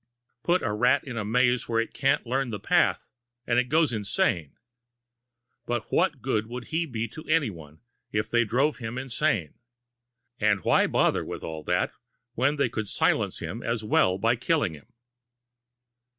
Put a rat in a maze where it can't learn the path, and it goes insane. But what good would he be to anyone if they drove him insane? And why bother with all that when they could silence him as well by killing him?